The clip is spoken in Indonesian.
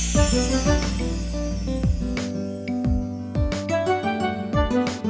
bu itu ada pandino bu